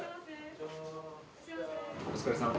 お疲れさん。